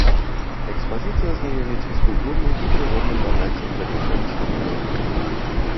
Экспазіцыя знаёміць з культурным і прыродным багаццем гэтай сонечнай краіны.